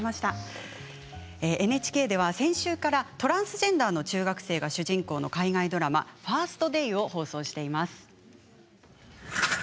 ＮＨＫでは先週からトランスジェンダーの中学生が主人公の海外ドラマ「ファースト・デイ」を放送しています。